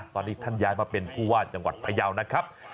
ตอนนี้ท่านย้ายมาเป็นผู้ว่าจังหวัดพยาวนะครับ